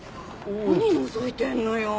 何のぞいてんのよ！